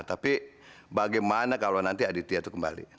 tapi bagaimana kalau nanti aditya itu kembali